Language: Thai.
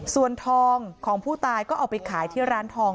ส่วนทองของผู้ตายก็เอาไปขายที่ร้านทอง